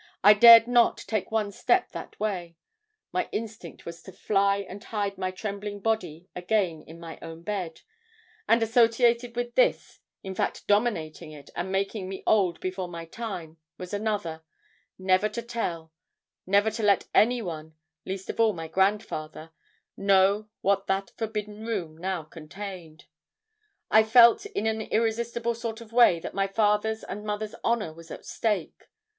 I dared not take one step that way. My instinct was to fly and hide my trembling body again in my own bed; and associated with this, in fact dominating it and making me old before my time, was another never to tell; never to let any one, least of all my grandfather know what that forbidden room now contained. I felt in an irresistible sort of way that my father's and mother's honour was at stake.